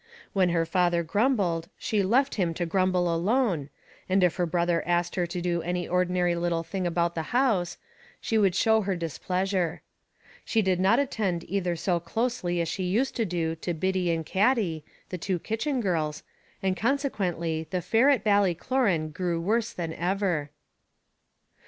When her father grumbled she left him to grumble alone, and if her brother asked her to do any ordinary little thing about the house, she would show her displeasure. She did not attend either so closely as she used to do to Biddy and Katty, the two kitchen girls, and consequently the fare at Ballycloran grew worse than ever.